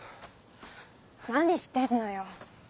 何してんのよ？